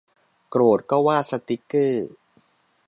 โกรธก็วาดสติกเกอร์